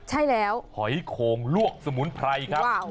ใช่แล้วหอยโขงลวกสมุนไพรครับ